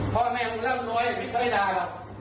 วีพร้อมเล่นโทรศัพท์